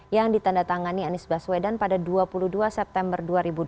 yang ditanda tangani anies baswedan pada dua puluh dua september dua ribu dua puluh